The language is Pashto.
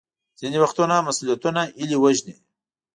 ځینې وختونه مسوولیتونه هیلې وژني.